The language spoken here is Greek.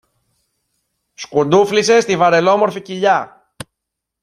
σκουντούφλησε στη βαρελόμορφη κοιλιά